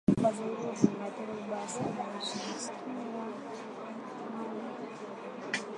Vikwazo hivyo vimeathiri vibaya sana nchi maskini ya Mali